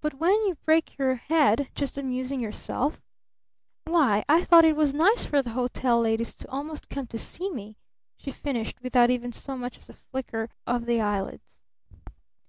"But when you break your head just amusing yourself? Why, I thought it was nice for the hotel ladies to almost come to see me," she finished, without even so much as a flicker of the eyelids.